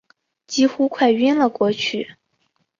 几乎快晕了过去